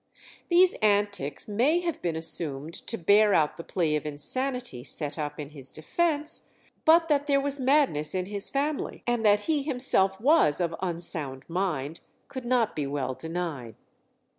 These antics may have been assumed to bear out the plea of insanity set up in his defence, but that there was madness in his family, and that he himself was of unsound mind, could not be well denied.